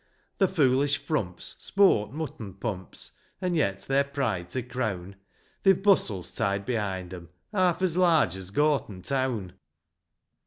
The foolish frumps sport mutton pumps, And yet, their pride to crown, They've bustles tied behind 'em Half as large as Gorton town.